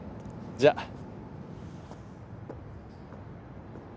じゃあ。